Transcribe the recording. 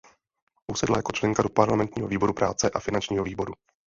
Usedla jako členka do parlamentního výboru práce a finančního výboru.